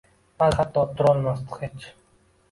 Ba’zan hatto turolmasdi hech.